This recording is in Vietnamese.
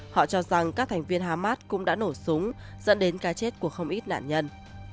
họ cho rằng các thành viên hamas cũng đã nổ súng dẫn đến cái chết của không ít nạn nhân